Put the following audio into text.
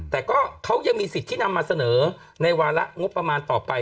แต่ก็เขายังมีสิทธิ์ที่นำมาเสนอในวาระงบประมาณต่อไป